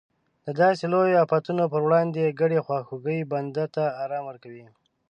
د داسې لویو افتونو پر وړاندې ګډې خواخوږۍ بنده ته ارام ورکوي.